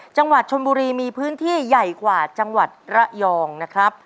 จังหวัดชนบุรีมีพื้นที่ใหญ่กว่าจังหวัดระยองนะครับ